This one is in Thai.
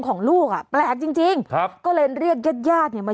ของลูกอ่ะแปลกจริงจริงครับก็เลยเรียกญาติญาติเนี่ยมา